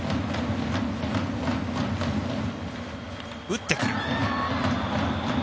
打ってくる。